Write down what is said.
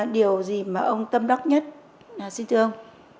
điều gì mà ông tâm đắc nhất xin thưa ông